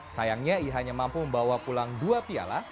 sayangnya ia hanya mampu membawa pulang dua piala